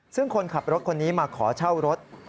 ซึ่งคนขับรถคนนี้มาขอเช่ารถ